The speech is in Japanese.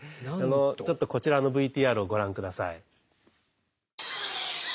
ちょっとこちらのＶＴＲをご覧ください。